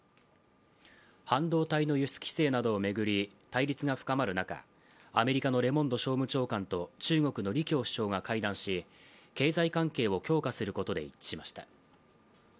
半導体の輸出規制などを巡り対立が深まる中、アメリカのレモンド商務長官と中国の李強首相が会談し経済関係を強化することで一致しました。